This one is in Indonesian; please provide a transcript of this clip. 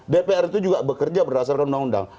dpr itu juga bekerja berdasarkan undang undang